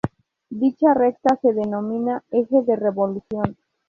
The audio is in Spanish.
Dicha recta se denomina eje de revolución.